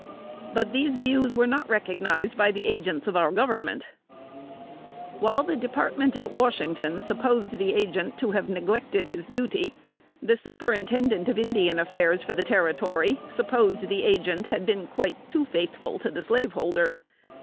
But these views were not recognized by the agents of our Government. [Sidenote: 1827.] While the Department at Washington supposed the Agent to have neglected his duty, the Superintendent of Indian Affairs for the territory supposed the Agent had been quite too faithful to the slaveholders.